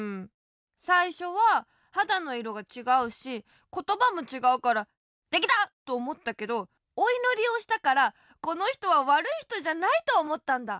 さいしょははだのいろがちがうしことばもちがうから「てきだ！」とおもったけどおいのりをしたから「このひとはわるいひとじゃない」とおもったんだ。